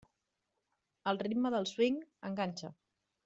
El ritme del swing enganxa.